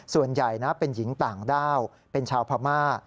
ส่วนใหญ่นะเป็นหญิงต่างด้าวเป็นชาวพม่า